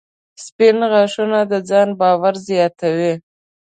• سپین غاښونه د ځان باور زیاتوي.